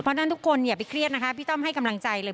เพราะฉะนั้นทุกคนอย่าไปเครียดนะคะพี่ต้อมให้กำลังใจเลย